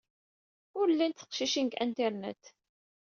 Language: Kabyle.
Ur llint teqcicin deg Internet.